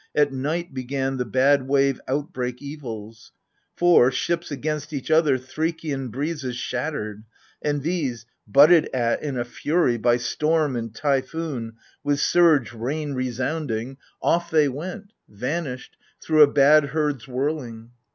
At night began the bad wave outbreak evils ; For, ships against each other Threkian breezes Shattered : and these, butted at in a fury By storm and typhoon, with surge rain resounding, — S6 AGAMEMNON. Off they went, vanished, thro' a bad herd's whirling.